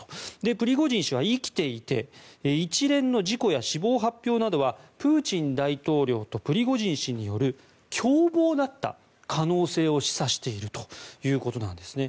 プリゴジン氏は生きていて一連の事故や死亡発表などはプーチン大統領とプリゴジン氏による共謀だった可能性を示唆しているということです。